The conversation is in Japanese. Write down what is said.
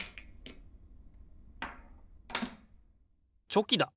チョキだ！